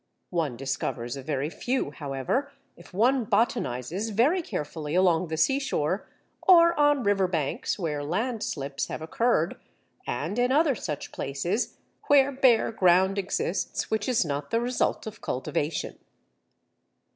One discovers a very few, however, if one botanizes very carefully along the seashore, or on river banks where landslips have occurred, and in other such places where bare ground exists which is not the result of cultivation.